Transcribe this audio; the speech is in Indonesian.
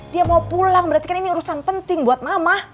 dia mau pulang berarti kan ini urusan penting buat mama